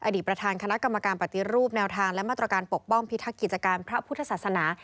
ประธานคณะกรรมการปฏิรูปแนวทางและมาตรการปกป้องพิทักษ์กิจการพระพุทธศาสนา